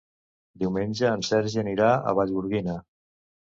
Diumenge en Sergi anirà a Vallgorguina.